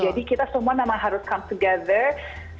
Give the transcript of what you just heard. jadi kita semua harus bersama sama